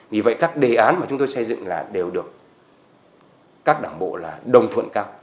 vì vậy các đề án mà chúng tôi xây dựng là đều được các đảng bộ là đồng thuận cao